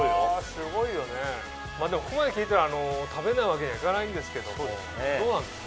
すごいよねでもここまで聞いたら食べないわけにはいかないんですけどもどうなんですか？